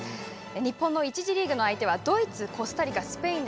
日本の１次リーグの相手はドイツ、コスタリカ、スペイン。